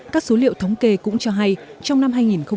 các số liệu thống kê cũng cho hay trong năm hai nghìn một mươi tám